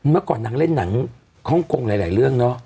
เมื่อก่อนนางเล่นหนังฮ่องกงหลายเรื่องเนอะ